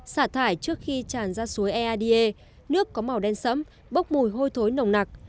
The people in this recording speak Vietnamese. xả thải trước khi tràn ra suối ead nước có màu đen sẫm bốc mùi hôi thối nồng nặc